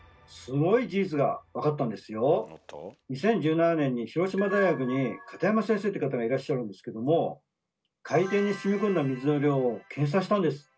２０１７年に広島大学に片山先生という方がいらっしゃるんですけども海底にしみこんだ水の量を計算したんです！